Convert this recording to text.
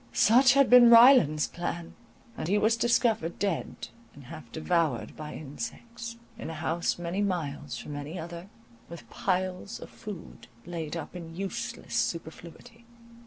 Such had been Ryland's plan, and he was discovered dead and half devoured by insects, in a house many miles from any other, with piles of food laid up in useless superfluity.